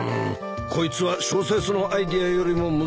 こいつは小説のアイデアよりも難しいぞ。